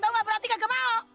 tau enggak berarti enggak mau